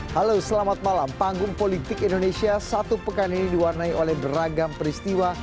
halo selamat malam panggung politik indonesia satu pekan ini diwarnai oleh beragam peristiwa